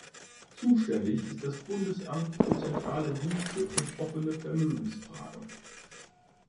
Zuständig ist das Bundesamt für zentrale Dienste und offene Vermögensfragen.